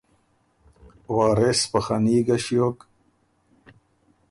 وارث په خني ګۀ ݭیوک